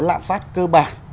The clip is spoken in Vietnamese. lạm phát cơ bản